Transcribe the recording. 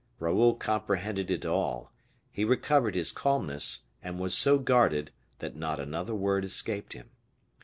Raoul comprehended it all; he recovered his calmness, and was so guarded, that not another word escaped him.